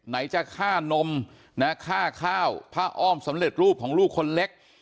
ไหนจะค่านมนะค่าข้าวผ้าอ้อมสำเร็จรูปของลูกคนเล็ก